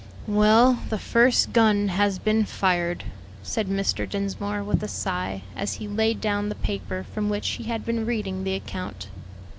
"Well, the first gun has been fired," said Mr. Dinsmore, with a sigh, as he laid down the paper from which he had been reading the account.